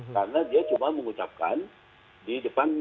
karena dia cuma mengucapkan di depan